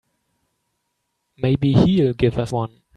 Maybe he'll give us one.